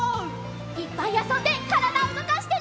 いっぱいあそんでからだをうごかしてね！